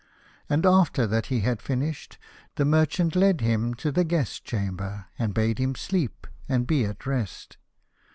And after that he had finished, the mer chant led him to the guest chamber, and bade him sleep and be at rest.